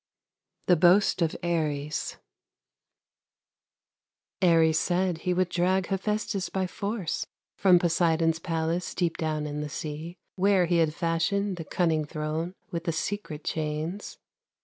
THE BOAST OF ARES Ares said he would drag Hephestus by force From Poseidon's palace Deep down in the sea; Where he had fashioned The cunning throne With the secret chains.